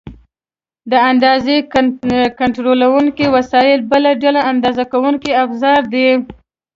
د اندازې کنټرولونکي وسایل بله ډله اندازه کوونکي افزار دي.